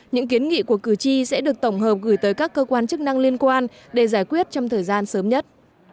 những kiến nghị của cử tri sẽ được tổng hợp gửi tới các cơ quan chức năng liên quan để giải quyết trong thời gian sớm nhất